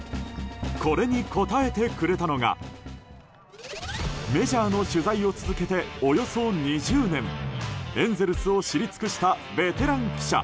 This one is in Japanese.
これに答えてくれたのがメジャーの取材を続けておよそ２０年エンゼルスを知り尽くしたベテラン記者